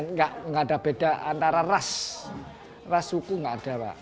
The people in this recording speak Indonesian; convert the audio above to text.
nggak ada beda antara ras ras suku nggak ada pak